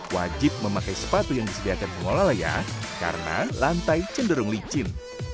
wajib memakai sepatu yang disediakan pengelola layar karena lantai cenderung licin